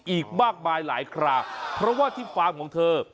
อีกมากมายหลายคราเพราะว่าที่ฟาร์มของเธอ